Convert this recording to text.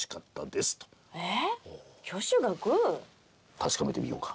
確かめてみようか。